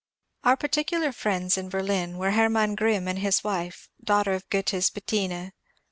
Our particular friends in Berlin were Herman Grrimm and his wife (daughter of Goethe's ^^Bettine").